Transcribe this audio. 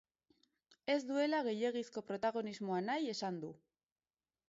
Ez duela gehiegizko protagonismoa nahi esan du.